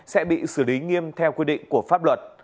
sẽ bị xử lý nghiêm theo quy định của pháp luật